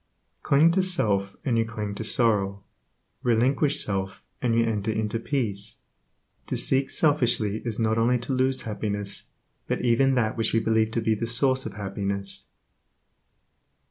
Cling to self, and you cling to sorrow, relinquish self, and you enter into peace. To seek selfishly is not only to lose happiness, but even that which we believe to be the source of happiness.